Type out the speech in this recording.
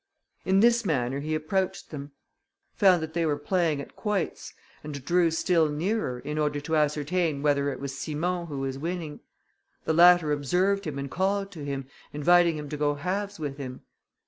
In this manner he approached them, found that they were playing at quoits, and drew still nearer, in order to ascertain whether it was Simon who was winning. The latter observed him, and called to him, inviting him to go halves with him.